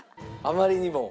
あまりにも。